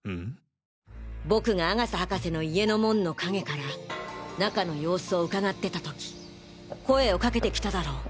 僕が阿笠博士の家の門の陰から中の様子をうかがってた時声をかけてきただろ？